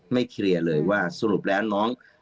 เคลียร์เลยว่าสรุปแล้วน้อง